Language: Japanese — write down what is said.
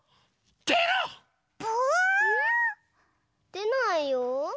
でないよ？